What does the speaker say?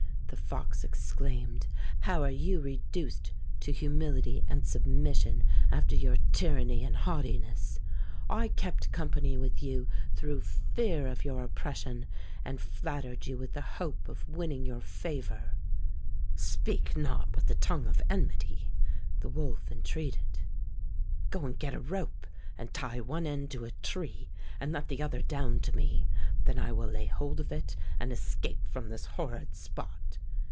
" the fox exclaimed, " how are you reduced to humility and submission after your tyranny and haughtiness ! I kept company with you through fear of your op pression, and flattered you with the hope of winning your favor." "Speak not with the tongue of enmity," the wolf entreated. " Go and get a rope and 154 Fairy Tale Foxes tie one end to a tree and let the other end down to me. Then I will lay hold of it and escape from this horrid spot.